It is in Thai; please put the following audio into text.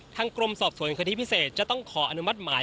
กรมสอบสวนคดีพิเศษจะต้องขออนุมัติหมาย